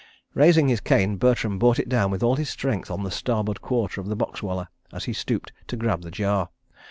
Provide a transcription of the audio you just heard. Raising his cane, Bertram brought it down with all his strength on the starboard quarter of the box wallah as he stooped to grab the jar.